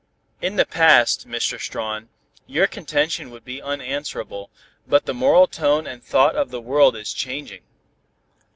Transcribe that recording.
"In the past, Mr. Strawn, your contention would be unanswerable, but the moral tone and thought of the world is changing.